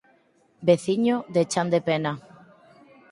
Veciño de Chan de Pena.